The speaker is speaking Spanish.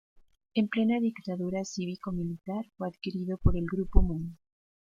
En plena dictadura cívico-militar fue adquirido por el grupo Moon.